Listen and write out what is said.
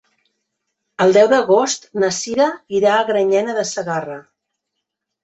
El deu d'agost na Cira irà a Granyena de Segarra.